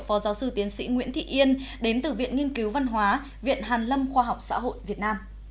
phó giáo sư tiến sĩ nguyễn thị yên đến từ viện nghiên cứu văn hóa viện hàn lâm khoa học xã hội việt nam